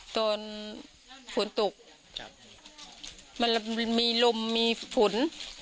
ตอนฝนตกมันมีลมมีฝน